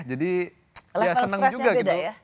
jadi ya seneng juga gitu